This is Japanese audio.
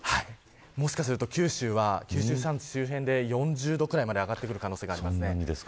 もしかすると九州は、九州山地周辺で４０度くらいまで上がる可能性があります。